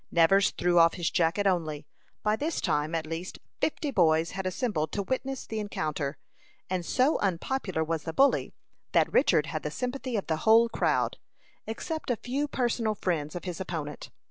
Nevers threw off his jacket only. By this time, at least fifty boys had assembled to witness the encounter; and so unpopular was the bully, that Richard had the sympathy of the whole crowd, except a few personal friends of his opponent.